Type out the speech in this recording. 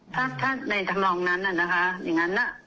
ถ้าในทำรองนั้นน่ะนะคะอย่างงั้นน่ะ